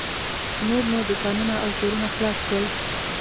نور نو دوکانونه او کورونه خلاص شول.